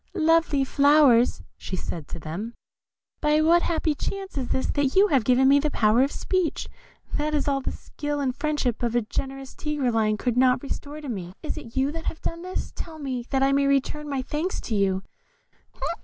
"Lovely flowers," said she to them, "by what happy chance is it that you have given me the power of speech, that all the skill and friendship of the generous Tigreline could not restore to me? Is it you that have done this? Tell me, that I may return my thanks to you?"